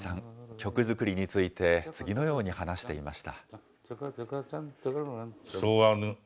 曲作りについて、次のように話していました。